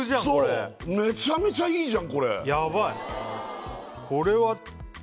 めちゃめちゃいいじゃんこれヤバい！